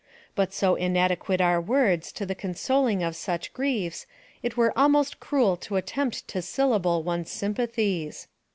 But so inadequate are words to the consoling of such griefs, it were almost cruel to attempt to syllable one's sympathies.